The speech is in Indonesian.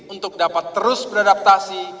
untuk dapat terus beradaptasi